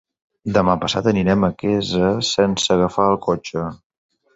Demà passat anirem a Quesa sense agafar el cotxe.